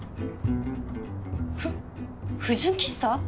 ふ不純喫茶？